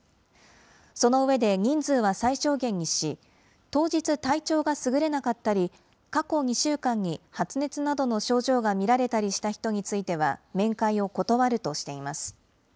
その上で、人数は最小限にし、当日、体調がすぐれなかったり、過去２週間に発熱などの症状が見られたりした人については、面会を断るとしています。